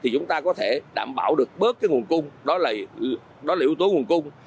chúng ta có thể đảm bảo được bớt cái nguồn cung đó là lưu tố nguồn cung